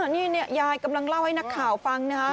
นี่เนี่ยยายกำลังเล่าถึงให้นักข่าวฟัง